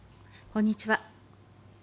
こんにちは。